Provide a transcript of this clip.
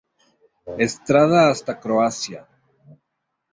Estrada hasta Croacia.